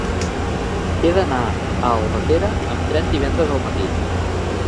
He d'anar a Albatera amb tren divendres al matí.